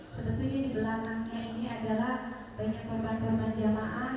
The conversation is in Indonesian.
sebetulnya di belakangnya ini adalah banyak korban korban jamaah